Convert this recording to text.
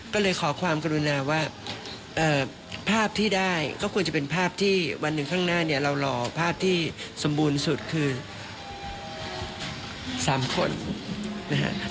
ก็เลยขอความกรุณาว่าภาพที่ได้ก็ควรจะเป็นภาพที่วันหนึ่งข้างหน้าเนี่ยเรารอภาพที่สมบูรณ์สุดคือ๓คนนะฮะ